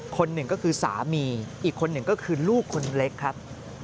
คนหนึ่งก็คือสามีอีกคนหนึ่งก็คือลูกคนเล็กครับ